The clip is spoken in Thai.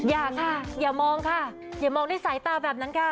อย่าค่ะอย่ามองในสายตาแบบนั้นค่ะ